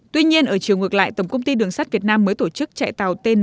tuy nhiên ở chiều ngược lại tổng công ty đường sắt việt nam mới tổ chức chạy tàu tên